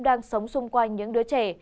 đang sống xung quanh những đứa trẻ